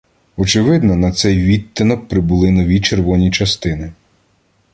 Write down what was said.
Очевидно, на цей відтинок прибули нові червоні частини.